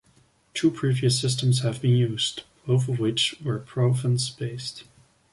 Two previous systems have been used, both of which were province-based.